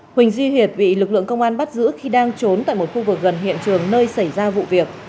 huỳnh duy hiệp bị lực lượng công an bắt giữ khi đang trốn tại một khu vực gần hiện trường nơi xảy ra vụ việc